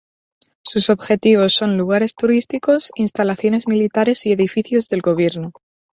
Sus objetivos son lugares turísticos, instalaciones militares y edificios del gobierno.